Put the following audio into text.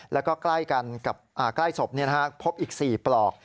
แล้วก็ใกล้กันกับใกล้ศพพบอีก๔ปลอก